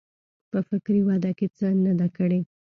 په فکري وده کې څه نه دي کړي.